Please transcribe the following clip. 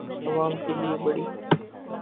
آعوام کے لئے بڑی